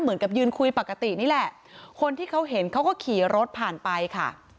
เหมือนกับยืนคุยปกตินี่แหละคนที่เขาเห็นเขาก็ขี่รถผ่านไปค่ะ